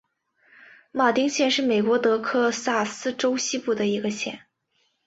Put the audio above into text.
马丁县是美国德克萨斯州西部的一个县。